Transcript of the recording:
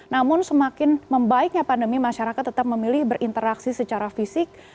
namun semakin membaiknya pandemi masyarakat tetap memilih berinteraksi secara fisik